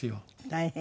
大変。